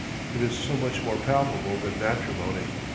It is so much more palpable than matrimony.